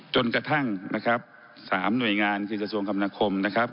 จนกระทั่งนะครับ๓หน่วยงานคือกระทรวงคำนาคมนะครับ